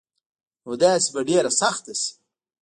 نو داسي به ډيره سخته شي